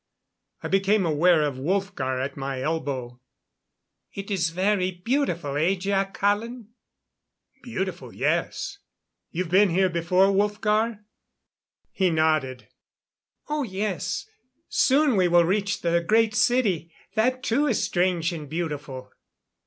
I became aware of Wolfgar at my elbow. "It is very beautiful, eh, Jac Hallen?" "Beautiful yes. You've been here before, Wolfgar?" He nodded. "Oh yes. Soon we will reach the Great City. That too is strange and beautiful."